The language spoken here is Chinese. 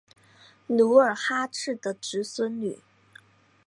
努尔哈赤的侄孙女。